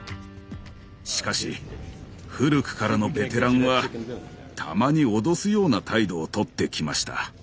しかし古くからのベテランはたまに脅すような態度をとってきました。